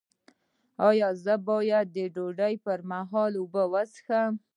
ایا زه باید د ډوډۍ پر مهال اوبه وڅښم؟